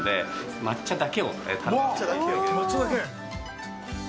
抹茶だけ？